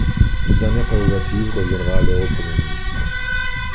Cette dernière prérogative reviendra alors au Premier ministre.